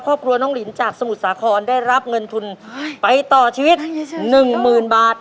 ครอบครัวน้องลินจากสมุทรสาครได้รับเงินทุนไปต่อชีวิต๑๐๐๐บาท